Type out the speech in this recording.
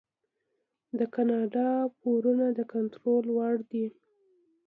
د کاناډا پورونه د کنټرول وړ دي.